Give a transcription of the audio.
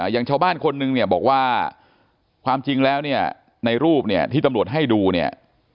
อย่างชาวบ้านคนนึงเนี่ยบอกว่าความจริงแล้วเนี่ยในรูปเนี่ยที่ตำรวจให้ดูเนี่ย